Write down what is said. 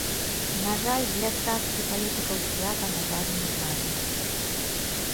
На жаль, для часткі палітыкаў свята на заднім плане.